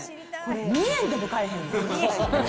２円でも買わへんわ。